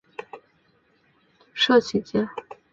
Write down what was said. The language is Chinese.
社企界